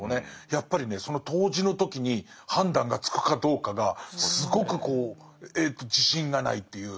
やっぱりねその当時の時に判断がつくかどうかがすごく自信がないっていう。